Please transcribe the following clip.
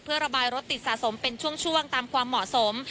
เพื่อระบายรถติดสะสมเป็นช่วงตามความเหมาะสม